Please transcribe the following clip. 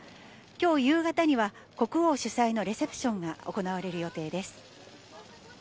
きょう夕方には、国王主催のレセプションが行われる予定です。